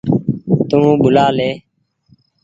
تو ٻوُلآ لي ۔